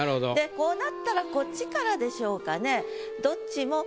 でこうなったらこっちからでしょうかね。